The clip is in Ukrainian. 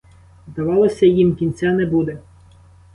Здавалося, їм кінця не буде!